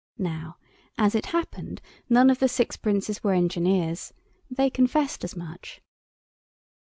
Now, as it happened, none of the six Princes were engineers. They confessed as much.